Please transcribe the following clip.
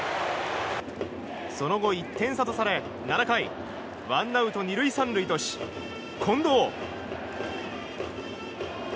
その後、１点差とされ７回ワンアウト２塁３塁とし、近藤。